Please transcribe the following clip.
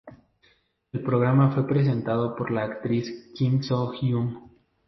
El programa fue presentado por la actriz Kim So-hyun.